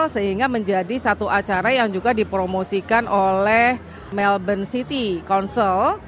sehingga menjadi satu acara yang juga dipromosikan oleh melbourne city council